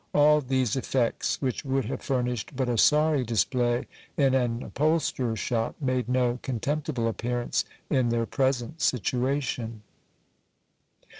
All these effects, which would have furnished but a sorry display in an upholsterer's shop, made no contempti ble appearance in their present situation.